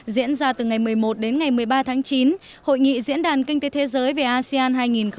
diễn ra từ ngày một mươi một đến ngày một mươi ba tháng chín hội nghị diễn đàn kinh tế thế giới về asean hai nghìn hai mươi